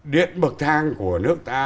điện bậc thang của nước ta